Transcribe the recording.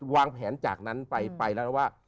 วางแผนจากนั้นไปแล้วว่า